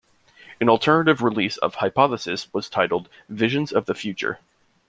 An alternative release of "Hypothesis" was titled "Visions of the Future".